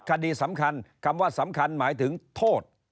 คดีสำคัญคำว่าสำคัญหมายถึงโทษ